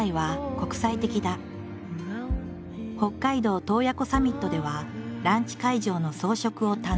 北海道洞爺湖サミットではランチ会場の装飾を担当。